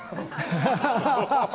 ハハハハ。